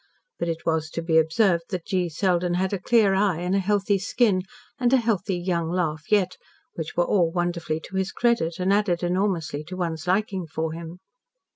But it was to be observed that G. Selden had a clear eye, and a healthy skin, and a healthy young laugh yet, which were all wonderfully to his credit, and added enormously to one's liking for him.